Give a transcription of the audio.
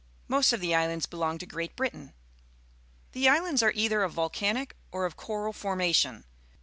Most of the islands belong to Great Britain. The islands are either of volcanic or of coral formation.